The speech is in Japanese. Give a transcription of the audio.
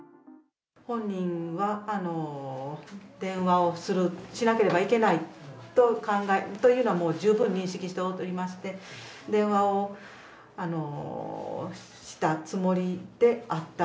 本人は電話をする、しなければいけないというのはもう十分に認識しておりまして、電話をしたつもりであった。